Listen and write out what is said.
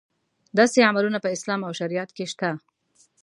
داسې عملونه په اسلام او شریعت کې شته.